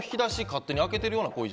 勝手に開けているようなそう！